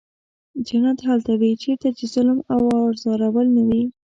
جنت هلته وي چېرته چې ظلم او ازارول نه وي.